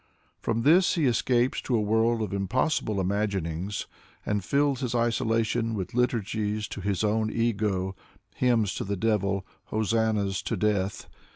From this he escapes to a world of impos sible imaginings, and fills his isolation with liturgies to his own ego, hymns to the devil, hosannahs to death.